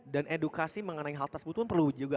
dan edukasi mengenai hal tersebut pun perlu juga